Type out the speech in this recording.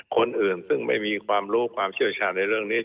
คนอื่นซึ่งไม่มีความรู้ความเชี่ยวชาญในเรื่องนี้